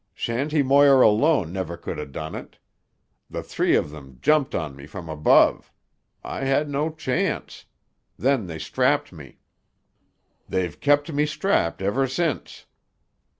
Shanty Moir alone never could ha' done it. The three of them jumped on me from above. I had no chance. Then they strapped me. "They've kept me strapped ever since.